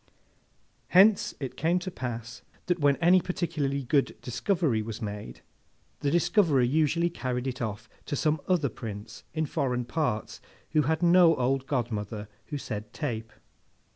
Hence it came to pass, that when any particularly good discovery was made, the discoverer usually carried it off to some other Prince, in foreign parts, who had no old godmother who said Tape.